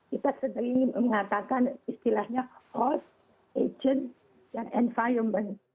kita sedang ingin mengatakan istilahnya host agent dan environment